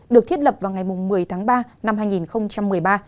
được thiết lập vào ngày một mươi tháng ba năm hai nghìn một mươi ba